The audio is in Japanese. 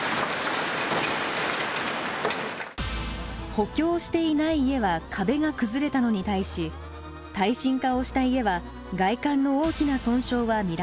補強していない家は壁が崩れたのに対し耐震化をした家は外観の大きな損傷は見られません。